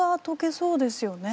そうですよ。